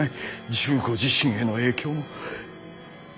十五自身への影響も。